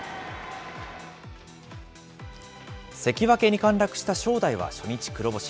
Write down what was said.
関脇に陥落した正代は初日、黒星。